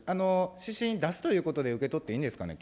指針、出すということで受け取っていいんですかね。